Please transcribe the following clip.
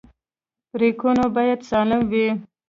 برېکونه باید سالم وي.